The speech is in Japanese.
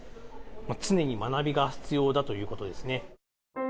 常に学びが必要だということですね。